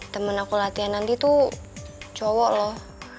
temen aku latihan nanti tuh cowok loh